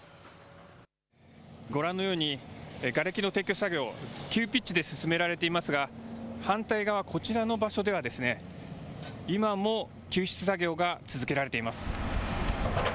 ご覧のように、がれきの撤去作業、急ピッチで進められていますが、反対側、こちらの場所では今も救出作業が続けられています。